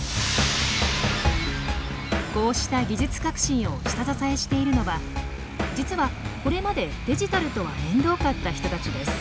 こうした技術革新を下支えしているのは実はこれまでデジタルとは縁遠かった人たちです。